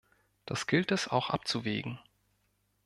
Das gilt es auch abzuwägen.